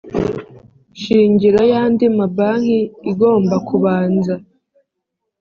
shingiro y andi mabanki igomba kubanza